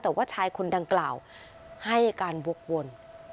แต่ว่าชายคนดังกล่าวให้การวกวน